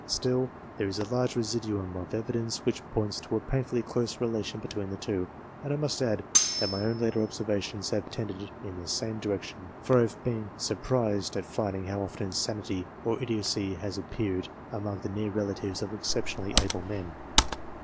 Still, there is a large residuum of evidence which points to a painfully close relation between the two, and I must add that my own later observations have tended in the same direction, for I have been surprised at finding how often insanity or idiocy has appeared among the near relatives of excep tionally able men.